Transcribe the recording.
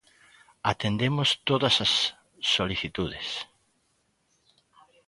Atendemos todas a solicitudes.